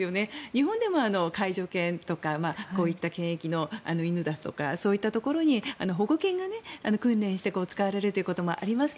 日本でも介助犬とかこういった検疫の犬だとかそういったところに保護犬が訓練して使われるということもあります